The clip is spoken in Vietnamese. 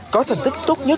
có thành tích tốt nhất